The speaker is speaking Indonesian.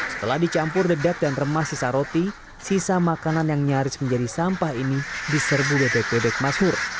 setelah dicampur dedek dan remah sisa roti sisa makanan yang nyaris menjadi sampah ini diserbu bebek bebek masmur